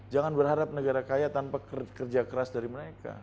jangan berharap negara kaya tanpa kerja keras dari mereka